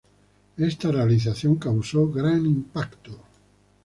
Esta realización causó gran impacto.